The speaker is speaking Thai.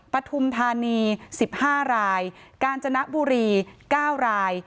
ปฐุมธานี๑๕รายกาญจนบุรี๙ราย